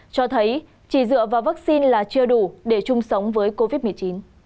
cho thấy chỉ dựa vào vaccine là chưa đủ để chung sống với covid một mươi chín